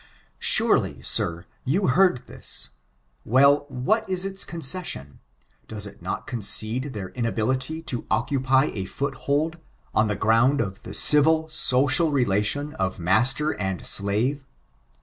Surely, sir, you heard this. Well, what is its concession ? Does it not concede their inability to occupy a foothold on the ground of the civil, social relation of master and slave